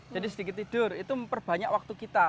sedikit tidur itu memperbanyak waktu kita